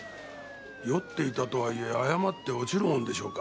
酔っていたとはいえ誤って落ちるものでしょうか？